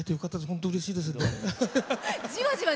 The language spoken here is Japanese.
本当、うれしいです。